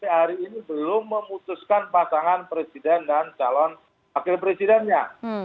sampai hari ini belum memutuskan pasangan presiden dan calon wakil presidennya